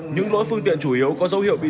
những lỗi phương tiện chủ yếu có dấu hiệu bị